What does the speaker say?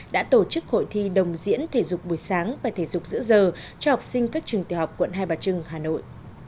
đã tổ chức hội thi đồng diễn thể dục buổi sáng và thể dục giữa giờ cho học sinh các trường tiểu học quận hai bà trưng hà nội